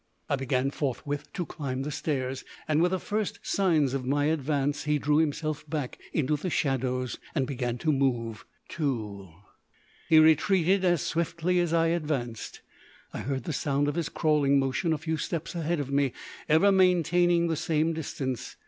I began forthwith to climb the stairs, and with the first signs of my advance he drew himself back into the shadows and began to move. He retreated as swiftly as I advanced. I heard the sound of his crawling motion a few steps ahead of me, ever maintaining the same distance.